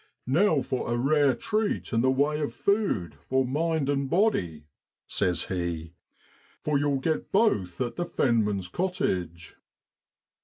'Now for a rare treat in the way of food for mind and body/ says he, 'for you'll get both at the fenman's cottage.'